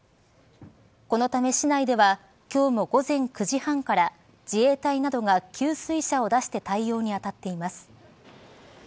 このため、市内では今日も午前９時半から自衛隊などが給水車を出して対応に当たっています。